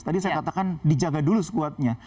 tadi saya katakan dijaga dulu squadnya